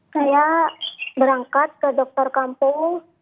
saya berangkat ke dokter kampung